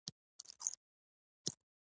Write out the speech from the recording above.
ما ویل که دروند وي، نو ګرانه ده یارانه.